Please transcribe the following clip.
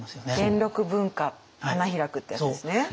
元禄文化花開くっていうやつですね。